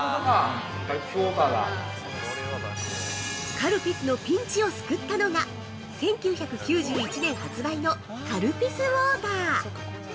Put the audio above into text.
◆カルピスのピンチを救ったのが、１９９１年発売のカルピスウォーター。